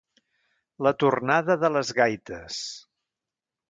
La tornada de les gaites.